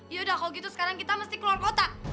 yaudah kalau gitu sekarang kita mesti keluar kota